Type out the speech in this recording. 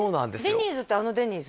デニーズってあのデニーズ？